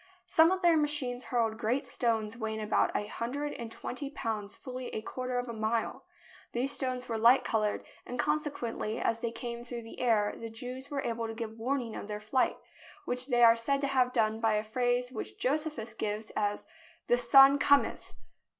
Some of their machines hurled great stones weighing about a hundred and twenty pounds fully a quarter of a mile. These stones were light coloured, and consequently as they came through the air the Jews were able to give warning of their flight, which they are said to have done by a phrase which Josephus gives as "The son cometh!"